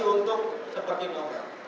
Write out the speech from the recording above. untuk seperti normal